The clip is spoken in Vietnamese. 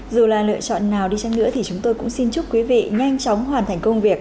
dù là lựa chọn nào đi chăng nữa thì chúng tôi cũng xin chúc quý vị nhanh chóng hoàn thành công việc